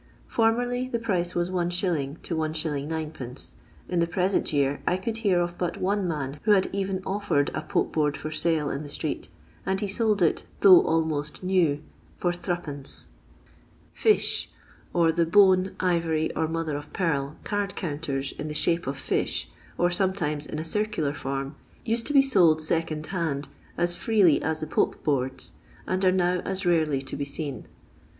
Formerly the price was Is. to Is. 9d. In the present year I could hear of but one man who had even offered a Pope board for sale in the street, and he sold it, though almost new, for M. •' Fish," or the bone, ivory, or mother o' pearl cord counters in the shape of fish, or sometimes in a circular form, used to be sold second hand as freely as the Pope boards, and are now as rarely to be seen.